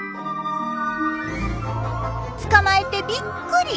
捕まえてびっくり。